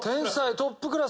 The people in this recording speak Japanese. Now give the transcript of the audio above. トップクラス？